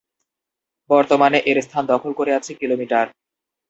বর্তমানে এর স্থান দখল করে আছে কিলোমিটার।